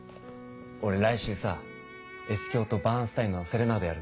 俺来週さＳ響とバーンスタインの『セレナード』やるんだ。